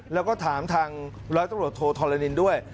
แล้วก็ถามทางร้อยตำรวจโทธรณินด้วย